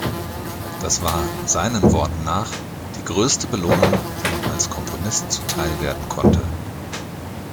Das war, seinen Worten nach, die größte Belohnung, die ihm als Komponist zuteilwerden konnte.